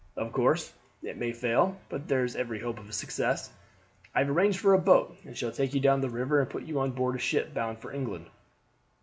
Of course, it may fail; but there is every hope of success. I have arranged for a boat, and shall take you down the river, and put you on board a ship bound for England."